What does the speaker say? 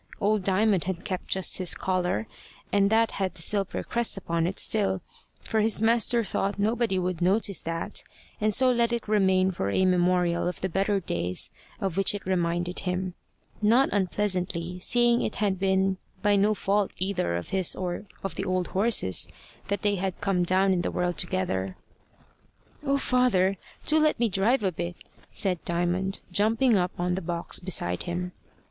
Old Diamond had kept just his collar; and that had the silver crest upon it still, for his master thought nobody would notice that, and so let it remain for a memorial of the better days of which it reminded him not unpleasantly, seeing it had been by no fault either of his or of the old horse's that they had come down in the world together. "Oh, father, do let me drive a bit," said Diamond, jumping up on the box beside him.